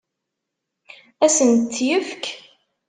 Ad sent-t-tefk?